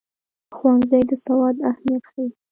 ښوونځی د سواد اهمیت ښيي.